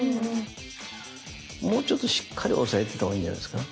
もうちょっとしっかり押さえておいた方がいいんじゃないですか？